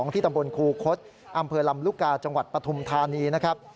ที่ตำบลคูคศอำเภอลำลูกกาจังหวัดปฐุมธานีนะครับ